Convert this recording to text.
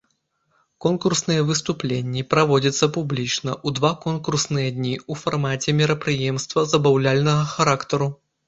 Конкурсныя выступленні праводзяцца публічна ў два конкурсныя дні ў фармаце мерапрыемства забаўляльнага характару.